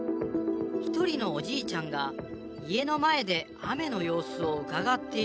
一人のおじいちゃんが家の前で雨の様子をうかがっている。